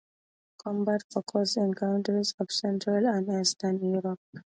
Combat occurs in countries of Central and Eastern Europe.